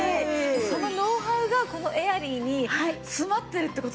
そのノウハウがこのエアリーに詰まってるって事ですもんね。